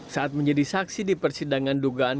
saat menjadi saksi di persidangan dugaan